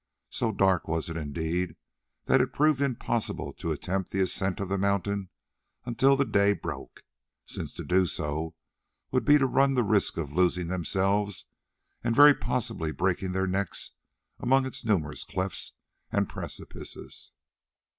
So dark was it indeed, that it proved impossible to attempt the ascent of the mountain until the day broke, since to do so would be to run the risk of losing themselves, and very possibly of breaking their necks among its numerous clefts and precipices.